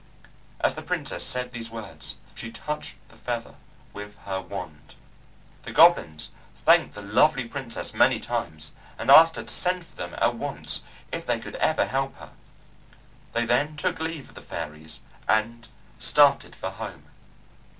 As the Princess said these words she touched the Feather with her wand. The goblins thanked the lovely Princess many times, and asked her to send for them at once if they could ever help her. They then took leave of the fairies and started for home.